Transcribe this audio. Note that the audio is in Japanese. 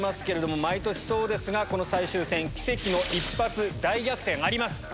毎年そうですが、この最終戦、奇跡の一発大逆転あります。